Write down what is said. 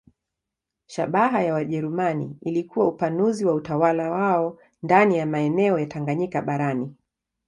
Shabaha ya Wajerumani ilikuwa upanuzi wa utawala wao ndani ya maeneo ya Tanganyika barani.